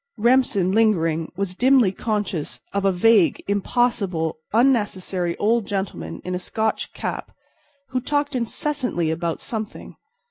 Remsen, lingering, was dimly conscious of a vague, impossible, unnecessary old gentleman in a Scotch cap who talked incessantly about something.